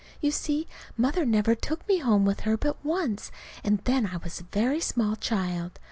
You see, Mother never took me home with her but once, and then I was a very small child.